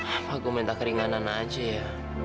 apa gue minta keringanan aja ya